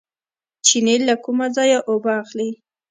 چینې له کوم ځای اوبه اخلي؟